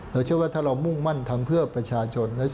เรามุ่งไปข้างหน้า